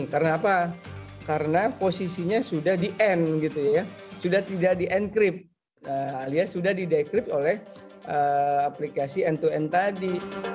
karena apa karena posisinya sudah di end gitu ya sudah tidak di encrypt alias sudah di decrypt oleh aplikasi end to end tadi